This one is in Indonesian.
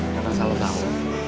ternyata lo tau